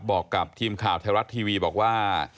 บอกกับทีมข่าวไทยรัฐทีวีบอกว่า